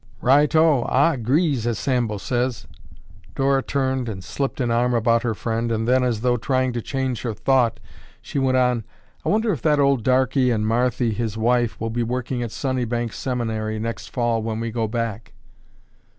"Righto! Ah agrees, as Sambo says." Dora turned and slipped an arm about her friend, and then, as though trying to change her thought, she went on, "I wonder if that old darky and Marthy, his wife, will be working at Sunnybank Seminary next fall when we go back."